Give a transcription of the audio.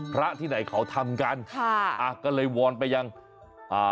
พระที่ไหนเขาทำกันค่ะอ่ะก็เลยวอนไปยังอ่า